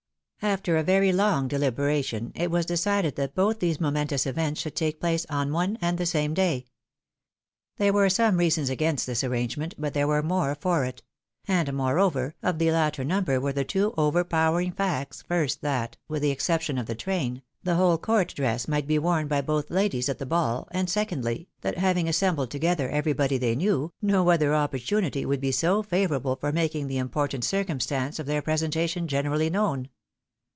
After a very long deliberation, itwas decided that both these momentous events should take place on one and the same day. There were some reasons against this arrangement, but there were more for it ; and moreover, of the latter number were the two overpowering facts, first, that, with the exception of the train, the whole court dress might be worn by both ladies at the ball, and secondly, that having assembled together everybody they knew, no other opportunity would be so favourable for making the important circumstance of their presentation gene rally known.